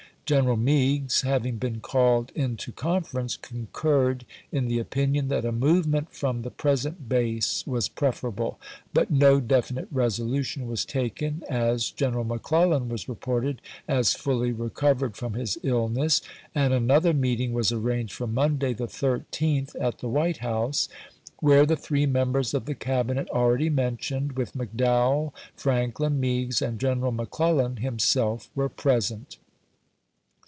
Greneral Meigs, hav ing been called into conference, concurred in the opinion that a movement from the present base was preferable; but no definite resolution was taken, as General McCleUan was reported as fully recovered from his illness, and another meeting was arranged for Monday, the 13th, at the White House, where the three members of the Cabinet already mentioned, with McDowell, Franklin, Meigs, and General McClellan himself, were present.